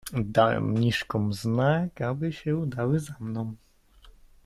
"Dałem mniszkom znak, aby się udały za mną."